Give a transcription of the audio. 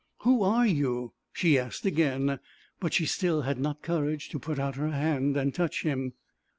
'Who are you?' she asked again, but she still had not courage to put out her hand and touch him.